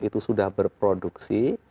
itu sudah berproduksi